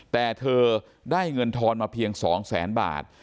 แต่เธอได้เงินทอนมาเพียง๒แสนบาท